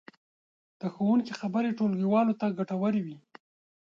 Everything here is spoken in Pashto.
د ښوونکي خبرې ټولګیوالو ته ګټورې وې.